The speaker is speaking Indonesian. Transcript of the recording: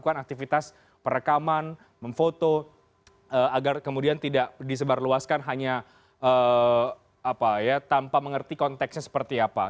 jadi kita melakukan aktivitas perekaman memfoto agar kemudian tidak disebarluaskan hanya tanpa mengerti konteksnya seperti apa